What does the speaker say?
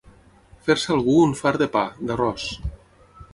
Fer-se algú un fart de pa, d'arròs.